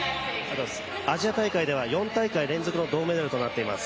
アジア大会では４大会連続の銅メダルとなっています